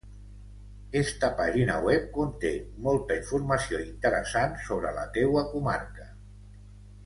Esta pàgina web conté molta informació interessant sobre la teua comarca.